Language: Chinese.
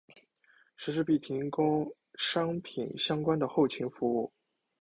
实施并提供产品相关的后勤服务。